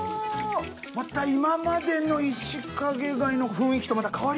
今までのイシカゲ貝の雰囲気とまた変わりますね。